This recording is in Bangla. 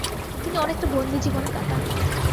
তিনি অনেকটা বন্দী জীবন কাটান।